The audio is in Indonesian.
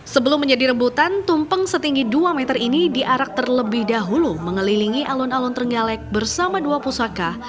sebelum menjadi rebutan tumpeng setinggi dua meter ini diarak terlebih dahulu mengelilingi alun alun trenggalek bersama dua pusaka